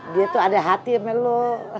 dia tuh ada hati emangnya lo